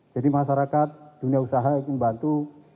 jadi masyarakat dunia usaha yang membantu